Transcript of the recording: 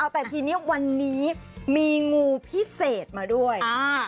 แต่ทีนี้วันนี้มีงูพิเศษมาด้วย